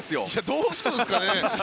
どうするんですかね？